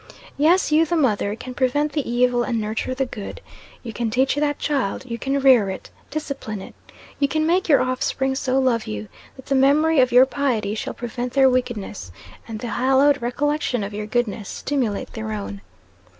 Yes, you the mother can prevent the evil and nurture the good. You can teach that child you can rear it, discipline it. You can make your offspring so love you, that the memory of your piety shall prevent their wickedness, and the hallowed recollection of your goodness stimulate their own.